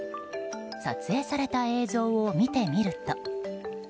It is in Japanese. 撮影された映像を見てみると。